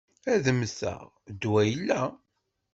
Ad mmteɣ, ddwa illa.